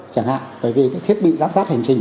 bởi vì thiết bị giám sát hành trình